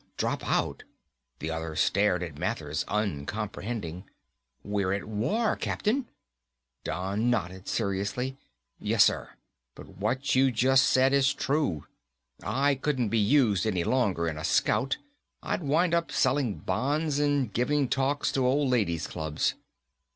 "Drop out!" The other stared at Mathers, uncomprehending. "We're at war, Captain!" Don nodded seriously. "Yes, sir. And what you just said is true. I couldn't be used any longer in a Scout. I'd wind up selling bonds and giving talks to old ladies' clubs."